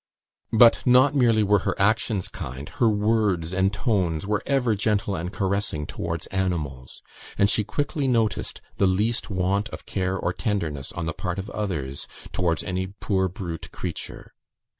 But not merely were her actions kind, her words and tones were ever gentle and caressing, towards animals: and she quickly noticed the least want of care or tenderness on the part of others towards any poor brute creature.